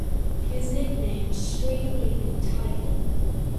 He is nicknamed "Stream Leaping Tiger".